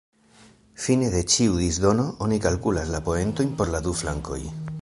Fine de ĉiu "disdono" oni kalkulas la poentojn por la du flankoj.